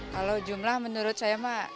kalau jumlah menurut saya mah